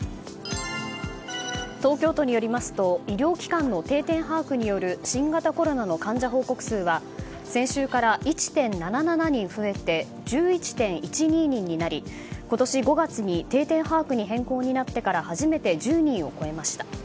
東京都によりますと医療機関の定点把握による新型コロナの患者報告数は先週から１．７７人増えて１１．１２人になり今年５月に定点把握に変更になってから初めて１０人を超えました。